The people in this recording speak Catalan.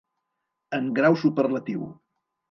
En grau superlatiu.